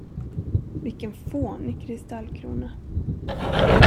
Vilken fånig kristallkrona!